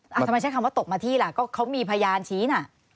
ทำไมใช้คำว่าตกมาที่ล่ะก็เขามีพยานชี้น่ะ